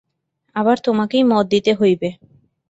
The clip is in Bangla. আবার তোমাকেই মত দিতে হইবে।